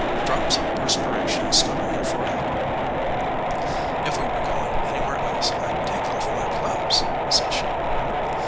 Drops of perspiration stood on her forehead. "If we were goin anywhere else I d take off my gloves," said she.